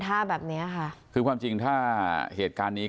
ท่าแบบเนี้ยค่ะคือความจริงถ้าเหตุการณ์นี้